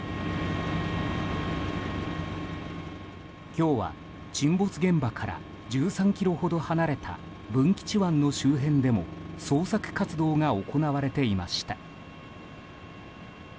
今日は沈没現場から１３ｋｍほど離れた文吉湾の周辺でも捜索活動が行われていました。